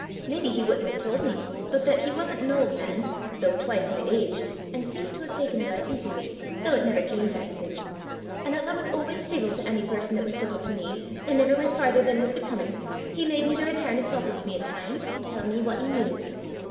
Maybe he wouldn't have told me, but that he wasn't an old man, though twice my age, an' seemt to have taken a likin' to me, though it never cam to onything; an' as I was always ceevil to ony person that was ceevil to me, an' never went farther than was becomin', he made me the return o' talkin' to me at times, an' tellin' me what he knew.